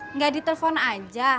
enggak ditelepon aja